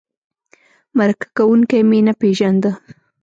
مرکه کوونکی مې نه پېژنده.